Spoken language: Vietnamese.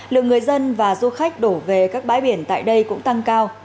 lượng người dân và du khách đổ về các bãi biển tại đây cũng tăng cao